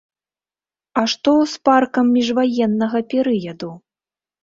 А што з паркам міжваеннага перыяду?